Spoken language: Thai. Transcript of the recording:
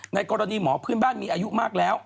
ในกรณีหมอพื้นบ้านมีอายุมากแล้ว